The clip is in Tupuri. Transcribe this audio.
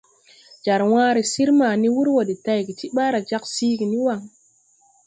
Jar wããre sir ma ni wur wɔ de tayge tii ɓaara jāg siigi ni waŋ.